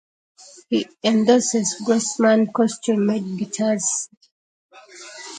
He endorses Grossman custom made guitars.